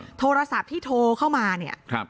เออโทรศัพท์ที่โทรเข้ามาเนี้ยครับ